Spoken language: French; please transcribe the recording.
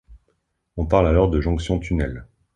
On parle alors de jonction tunnel.